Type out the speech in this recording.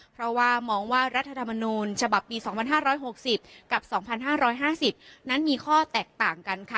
เพราะว่ามองว่ารัฐธรรมนูญฉบับปี๒๕๖๐กับ๒๕๕๐นั้นมีข้อแตกต่างกันค่ะ